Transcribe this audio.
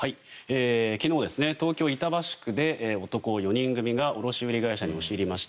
昨日、東京・板橋区で男４人組が卸売会社に押し入りまして